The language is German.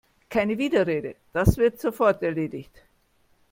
Keine Widerrede, das wird sofort erledigt!